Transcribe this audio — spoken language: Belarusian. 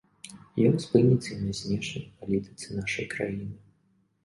Ён спыніцца і на знешняй палітыцы нашай краіны.